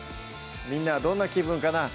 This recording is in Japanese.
みんなはどんな気分かなぁ